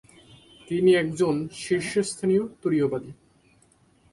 তিনি একজন শীর্ষস্থানীয় তুরীয়বাদী।